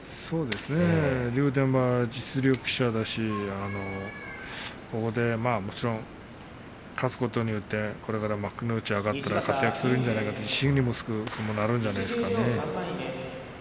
竜電は実力者だしここで勝つことによってこれから幕内に上がったら活躍するんじゃないかという自信になる相撲になるんじゃないですか。